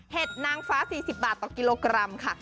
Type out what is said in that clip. นางฟ้า๔๐บาทต่อกิโลกรัมค่ะ